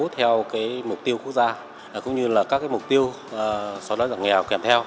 theo mục tiêu quốc gia cũng như là các mục tiêu xóa đói giảm nghèo kèm theo